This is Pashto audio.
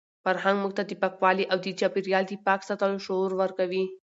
فرهنګ موږ ته د پاکوالي او د چاپیریال د پاک ساتلو شعور ورکوي.